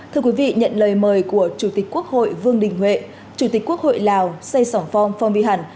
thưa quý vị nhận lời mời của chủ tịch quốc hội vương đình huệ chủ tịch quốc hội lào xây sòng phong phong vy hẳn